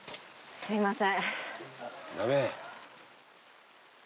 すみません。